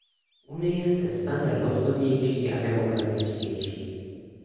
Unie se stane rozhodnější a demokratičtější.